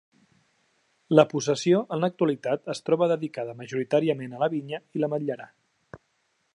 La possessió en l'actualitat es troba dedicada majoritàriament a la vinya i l'ametlerar.